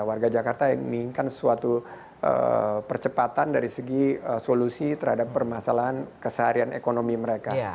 warga jakarta yang menginginkan suatu percepatan dari segi solusi terhadap permasalahan keseharian ekonomi mereka